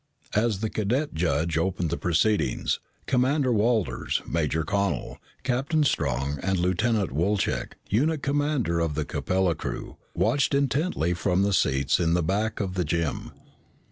As the cadet judge opened the proceedings, Commander Walters, Major Connel, Captain Strong, and Lieutenant Wolchek, unit commander of the Capella crew, watched intently from their seats in the back of the gym.